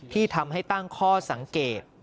ที่ทำให้ตั้งข้อสังเกต